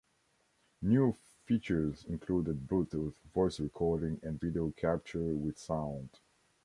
New features included Bluetooth, voice recording, and video capture with sound.